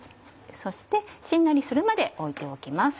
そしてしんなりするまで置いておきます。